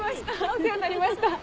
お世話になりました。